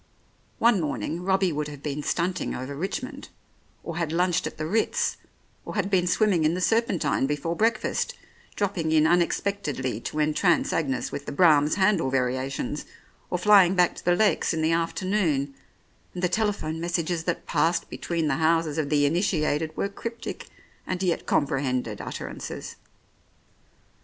One morning Robbie would have been "stunting " over Richmond, or had lunched at the Ritz, or had been swimming in the Serpentine before breakfast, dropping in unexpectedly to entrance Agnes with the Brahms Handel variations, or flying back to the Lakes in the afternoon, and the telephone messages that passed between the houses of the initiated were cryptic and yet comprehended utterances.